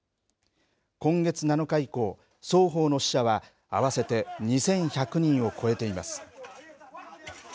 今月７日以降、双方の死者は合わせて２１００人を超えています。